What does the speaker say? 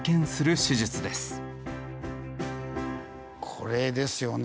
これですよね。